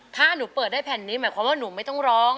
ถ้าหนูเปิดได้แผ่นนี้หมายความว่าหนูไม่ต้องร้อง